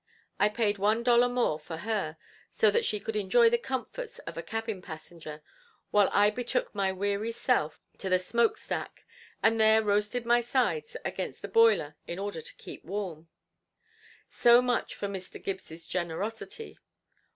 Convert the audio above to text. I paid one dollar more for her so that she could enjoy the comforts of a cabin passenger while I betook my weary self to the smoke stack and there roasted my sides against the boiler in order to keep warm. So much for Mr. Gibbs' generosity.